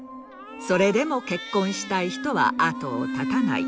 それでも結婚したい人は後をたたない。